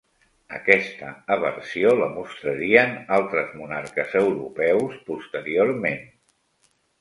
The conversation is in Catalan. Aquesta aversió la mostrarien altres monarques europeus posteriorment.